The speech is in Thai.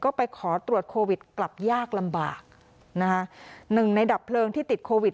ก็ไปขอตรวจโควิดกลับยากลำบากนะคะหนึ่งในดับเพลิงที่ติดโควิด